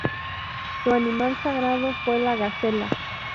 Su animal sagrado fue la gacela.